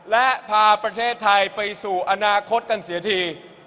และพาประเทศไทยไปสู่อนาคตกันเสียที